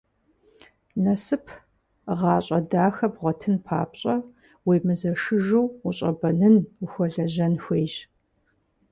Насып, гъащӏэ дахэ бгъуэтын папщӏэ, уемызэшыжу ущӏэбэнын, ухуэлэжьэн хуейщ.